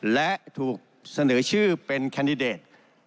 และถูกเสนอชื่อเป็นแคนดิเดต